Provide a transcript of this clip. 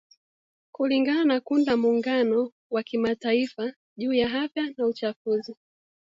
Kulingana na kundi la Muungano wa Kimataifa juu ya Afya na Uchafuzi.